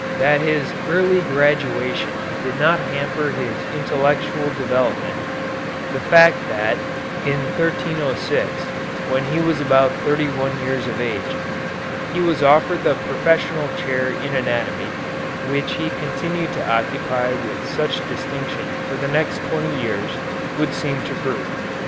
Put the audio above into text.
That his early graduation did not hamper his intellectual development, the fact that, in 1306, when he was about thirty one years of age, he was offered the professorial chair in anatomy, which he continued to occupy with such distinction for the next twenty years, would seem to prove.